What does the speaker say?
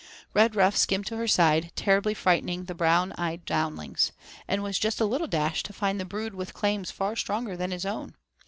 Redruff skimmed to her side, terribly frightening the bright eyed downlings, and was just a little dashed to find the brood with claims far stronger than his own.